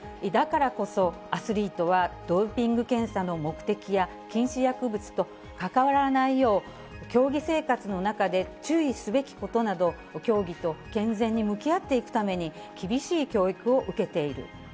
だからこそ、アスリートはドーピング検査の目的や、禁止薬物と関わらないよう、競技生活の中で注意すべきことなど、競技と健全に向き合っていくために厳しい教育を受けている。